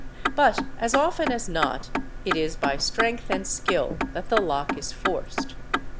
734 THEFT But as often as not it is by strength and skill that the lock is forced.